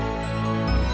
oh tuhan umdi